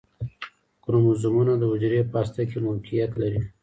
کروموزومونه د حجرې په هسته کې موقعیت لري